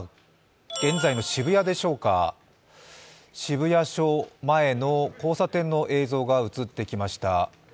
現在の渋谷でしょうか、渋谷署前の交差点の映像が映ってきました。